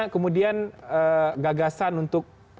kemudian gagasan untuk